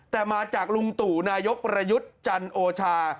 แต่มาจากลุงตู่นายกประยุทธ์จันโอชา